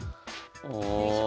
よいしょ。